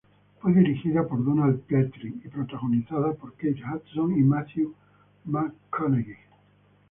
Fue dirigida por Donald Petrie y protagonizada por Kate Hudson y Matthew McConaughey.